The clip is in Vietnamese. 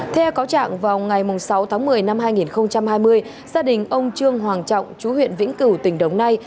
theo cáo trạng vào ngày sáu tháng một mươi năm hai nghìn hai mươi gia đình ông trương hoàng trọng chú huyện vĩnh cửu tỉnh đồng nai